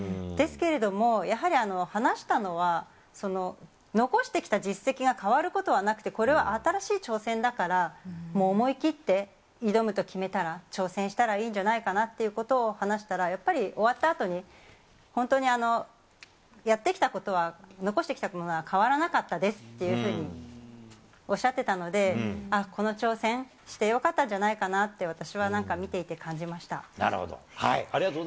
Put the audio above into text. ですけれども、やはり話したのは、残してきた実績が変わることはなくて、これは新しい挑戦だから、もう思い切って挑むと決めたら、挑戦したらいいんじゃないかなということを話したら、やっぱり終わったあとに、本当にやってきたことは、残してきたものは変わらなかったですっていうふうにおっしゃってたので、この挑戦してよかったんじゃないかなって、私はなんか見ていて感なるほど。